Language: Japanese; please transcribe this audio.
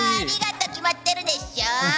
決まってるでしょ！